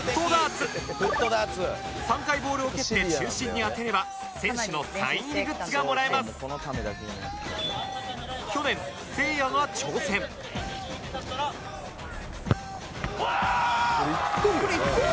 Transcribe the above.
３回ボールを蹴って中心に当てれば選手のサイン入りグッズがもらえます去年せいやが挑戦ああーっ！